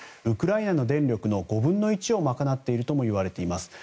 ウクライナの電力の５分の１を賄っているともいわれています。